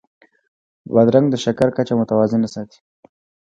بادرنګ د شکر کچه متوازنه ساتي.